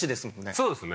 そうですね。